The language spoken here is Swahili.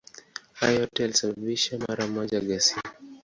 Hayo yote yalisababisha mara moja ghasia.